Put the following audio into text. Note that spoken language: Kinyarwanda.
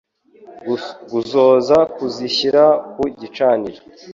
Kuzosa Kuzishyira ku gicaniro